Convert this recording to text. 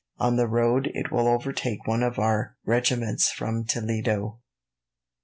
On the road it will overtake one of our regiments from Toledo."